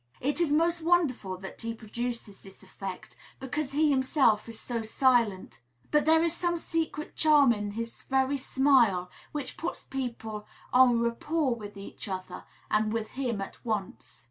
It is most wonderful that he produces this effect, because he himself is so silent; but there is some secret charm in his very smile which puts people en rapport with each other, and with him at once.